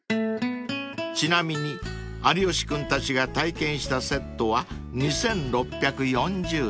［ちなみに有吉君たちが体験したセットは２，６４０円］